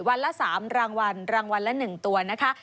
ละ๓รางวัลรางวัลละ๑ตัวนะคะ